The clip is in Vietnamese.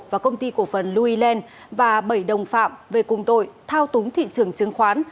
và công ty cổ phần louis land và bảy đồng phạm về cung tội thao túng thị trường chứng khoán